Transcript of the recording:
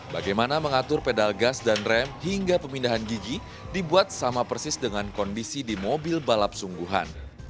bagaimana mengatur pedal gas dan rem hingga pemindahan gigi dibuat sama persis dengan kondisi di mobil balap sungguhan